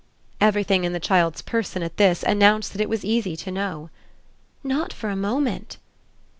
Everything in the child's person, at this, announced that it was easy to know. "Not for a moment."